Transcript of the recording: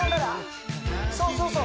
そうそうそう！